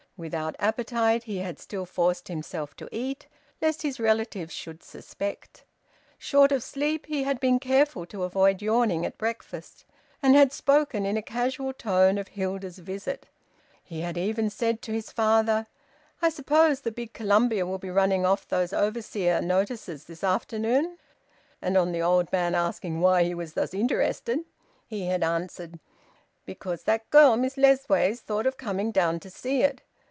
Without appetite, he had still forced himself to eat, lest his relatives should suspect. Short of sleep, he had been careful to avoid yawning at breakfast, and had spoken in a casual tone of Hilda's visit. He had even said to his father: "I suppose the big Columbia will be running off those overseer notices this afternoon?" And on the old man asking why he was thus interested, he had answered: "Because that girl, Miss Lessways, thought of coming down to see it.